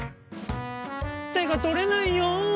「てがとれないよ！」。